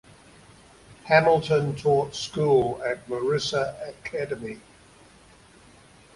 Hamilton taught school at Marissa Academy.